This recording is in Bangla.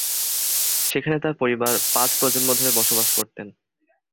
সেখানে তার পরিবার পাঁচ প্রজন্ম ধরে বসবাস করতেন।